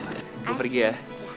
gue pergi ya